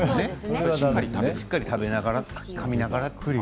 しっかり食べながらかみながら。